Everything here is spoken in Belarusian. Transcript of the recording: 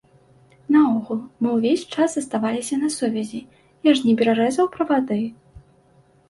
Наогул, мы ўвесь час заставаліся на сувязі, я ж не перарэзаў правады!